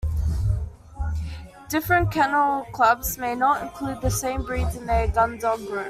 Different kennel clubs may not include the same breeds in their "Gundog Group".